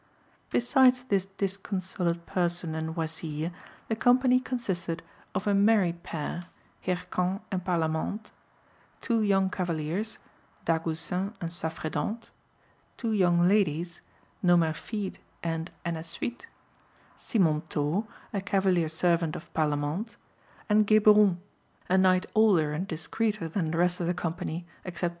Besides this disconsolate person and Oisille, the company consisted of a married pair, Hircan and Parlamente; two young cavaliers, Dagoucin and Saffredent; two young ladies, Nomerfide and Ennasuite; Simontault, a cavalier servant of Parlamente; and Geburon, a knight older and discreeter than the rest of the company except Oisille.